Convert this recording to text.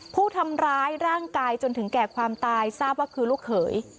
ผู้ทำร้ายร่างกายจนถึงแก่ความตายทราบว่าคือลูกเขย